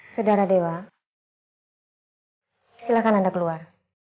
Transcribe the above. saudara dewa silahkan anda keluar